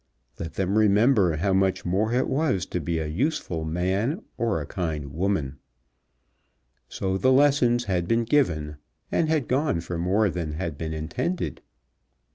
Let them remember how much more it was to be a useful man, or a kind woman. So the lessons had been given, and had gone for more than had been intended.